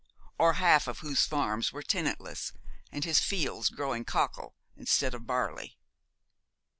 or half of whose farms were tenantless, and his fields growing cockle instead of barley.